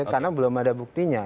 karena belum ada buktinya